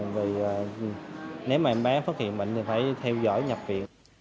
vì nếu mà em bé phát hiện bệnh thì phải theo dõi nhập viện